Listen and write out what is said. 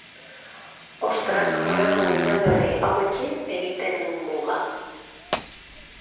Ostrak honako udalerri hauekin egiten du muga.